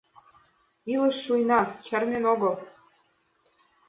— Илыш шуйна, чарнен огыл..